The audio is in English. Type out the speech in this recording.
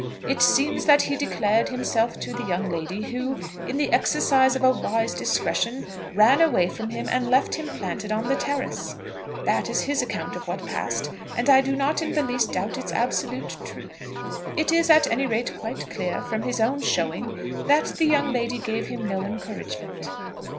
It seems that he declared himself to the young lady, who, in the exercise of a wise discretion, ran away from him and left him planted on the terrace. That is his account of what passed, and I do not in the least doubt its absolute truth. It is at any rate quite clear, from his own showing, that the young lady gave him no encouragement.